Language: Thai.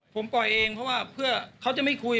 ผมปล่อยเองเพราะว่าเพื่อเขาจะไม่คุย